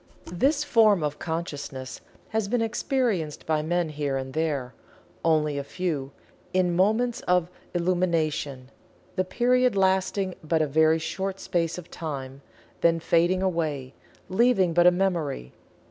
This form of consciousness has been experienced by men here and there only a few in moments of "Illumination," the period lasting but a very short space of time, then fading away, leaving but a memory.